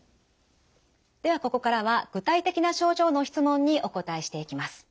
ではここからは具体的な症状の質問にお答えしていきます。